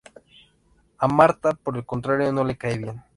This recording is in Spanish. A Martha por el contrario no le cae bien.